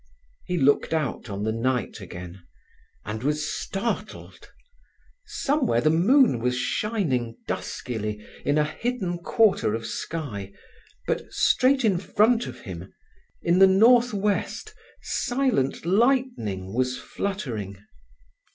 He looked out on the night again, and was startled. Somewhere the moon was shining duskily, in a hidden quarter of sky; but straight in front of him, in the northwest, silent lightning was fluttering.